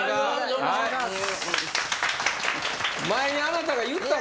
よろしくお願いします！